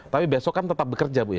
tapi besok kan tetap bekerja bu ya